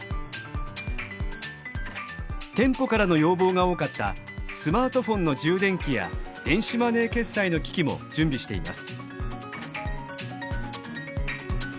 店舗からの要望が多かったスマートフォンの充電器や電子マネー決済の機器も準備しています。